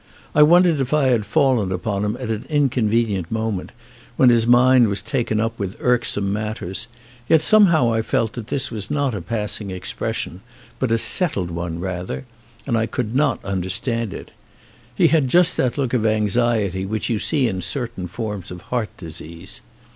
I wondered if I had fallen upon him at an inconvenient moment when his mind was taken up with irksome matters, yet some how I felt that this was not a passing expression, but a settled one rather, and I could not under stand it. He had just that look of anxiety which you see in certain forms of heart disease.